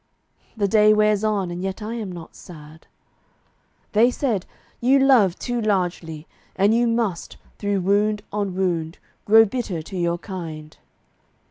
The day wears on, and yet I am not sad. They said, "You love too largely, and you must, Through wound on wound, grow bitter to your kind."